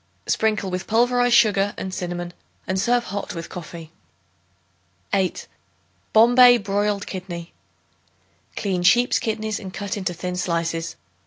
Sprinkle with pulverized sugar and cinnamon and serve hot with coffee. 8. Bombay Broiled Kidney. Clean sheep's kidneys and cut into thin slices.